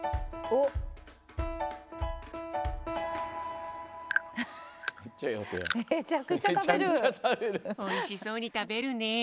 おいしそうにたべるねえ。